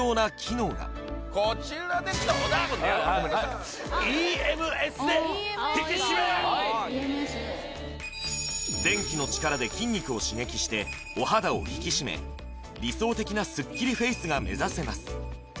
どうだこのやろう電気の力で筋肉を刺激してお肌を引き締め理想的なスッキリフェイスが目指せます